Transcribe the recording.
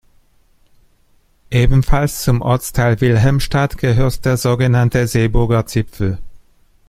Ebenfalls zum Ortsteil Wilhelmstadt gehört der sogenannte „Seeburger Zipfel“.